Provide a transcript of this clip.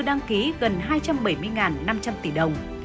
đăng ký gần hai trăm bảy mươi năm trăm linh tỷ đồng